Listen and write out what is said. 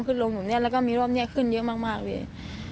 เหมือนเนี่ยแล้วก็มีรอบนี้ขึ้นเยอะมากเลย